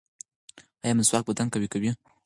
ایا مسواک بدن قوي کوي؟